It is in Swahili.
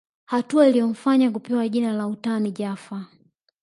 Hatua iliyomfanya kupewa jina la utani Jaffa